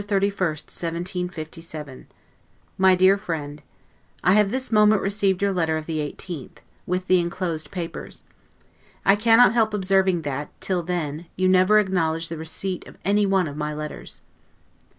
LETTER CCXV BATH, December 31, 1757 MY DEAR FRIEND: I have this moment received your letter of the 18th, with the inclosed papers. I cannot help observing that, till then, you never acknowledged the receipt of any one of my letters.